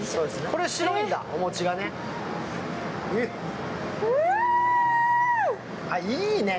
これは白いんだ、お餅がね。